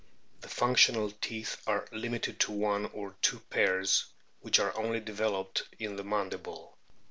The functional teeth are limited to one or two pairs, which are only developed in the mandible.